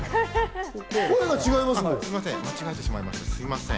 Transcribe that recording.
声が違いますもん。